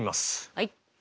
はい。